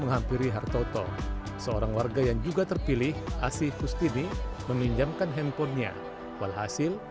menghampiri hartoto seorang warga yang juga terpilih asih kustini meminjamkan handphonenya walhasil